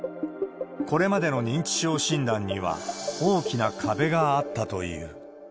これまでの認知症診断には、大きな壁があったという。